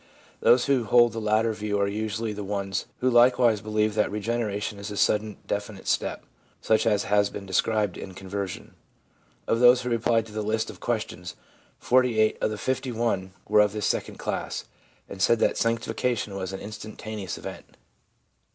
Those who hold the latter view are usually the ones who likewise believe that regeneration is a sudden definite step, such as has been described in conversion. Of those who replied to the list of questions, 48 of the 5 1 were of this second class, and said that sanctification SANCTIFICATION 377 was an instantaneous event.